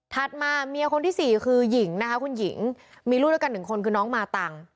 มาเมียคนที่สี่คือหญิงนะคะคุณหญิงมีลูกด้วยกันหนึ่งคนคือน้องมาตัง